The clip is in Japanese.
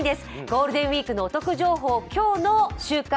ゴールデンウイークのお得情報、今日の「週刊！